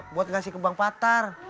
buat ngasih ke bang patar